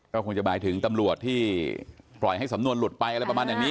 ก็คงจะหมายถึงตำรวจที่ปล่อยให้สำนวนหลุดไปอะไรประมาณอย่างนี้